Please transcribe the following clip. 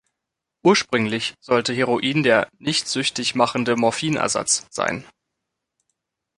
Ursprünglich sollte Heroin der „nicht süchtig machende Morphinersatz“ sein.